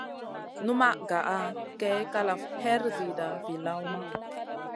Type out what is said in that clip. Nul ma nʼga nʼa Kay kalaf her ziida vii lawna.